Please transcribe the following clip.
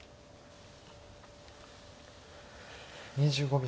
２５秒。